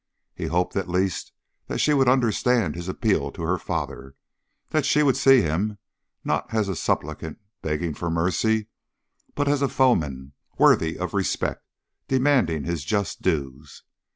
He hoped at least that she would understand his appeal to her father; that she would see him not as a suppliant begging for mercy, but as a foeman worthy of respect, demanding his just dues.